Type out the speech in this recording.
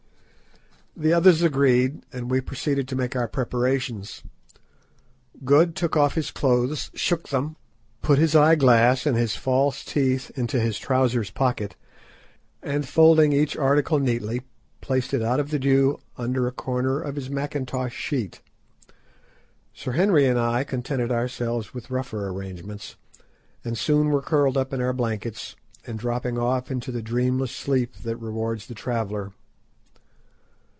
The others agreed, and we proceeded to make our preparations. Good took off his clothes, shook them, put his eye glass and his false teeth into his trousers pocket, and folding each article neatly, placed it out of the dew under a corner of his mackintosh sheet. Sir Henry and I contented ourselves with rougher arrangements, and soon were curled up in our blankets, and dropping off into the dreamless sleep that rewards the traveller.